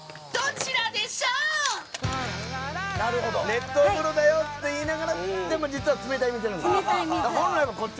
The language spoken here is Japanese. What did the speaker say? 熱湯風呂だよって言いながらでも実は冷たい水なんですね。